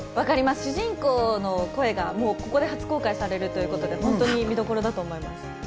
主人公の声が、ここで初公開されるということで本当に見どころだと思います。